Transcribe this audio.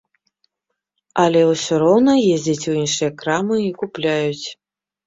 Але ўсё роўна ездзяць у іншыя крамы і купляюць.